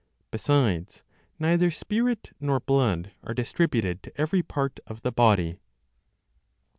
Besides, neither spirit nor blood are distributed to every part of the body.